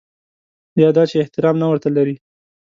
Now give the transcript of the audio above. یا دا چې احترام نه ورته لري.